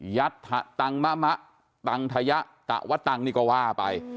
ยัทธะตังมะมะตังทะยะตะวะตังนิกว่าไป